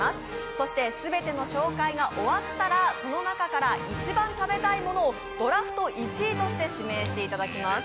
そして全ての紹介が終わったら、その中から一番食べたいものをドラフト１位として指名していただきます。